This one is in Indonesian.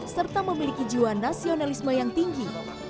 serta memiliki jiwa nasionalisme yang tinggi